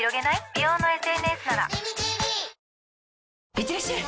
いってらっしゃい！